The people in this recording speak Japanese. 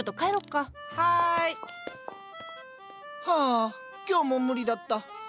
ハァ今日も無理だった。